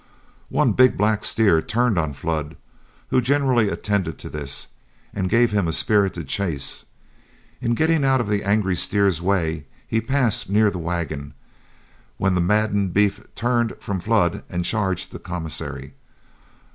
One big black steer turned on Flood, who generally attended to this, and gave him a spirited chase. In getting out of the angry steer's way, he passed near the wagon, when the maddened beef turned from Flood and charged the commissary.